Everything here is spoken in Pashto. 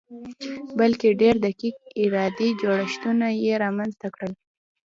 بلکې ډېر دقیق اداري جوړښتونه یې رامنځته کړل